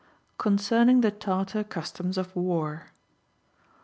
Concerning the Tartar Customs of War.